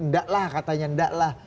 ndak lah katanya ndak lah